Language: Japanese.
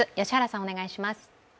お願いします。